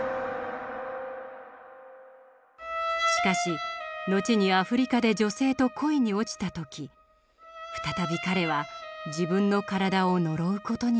しかし後にアフリカで女性と恋に落ちた時再び彼は自分の体を呪う事になります。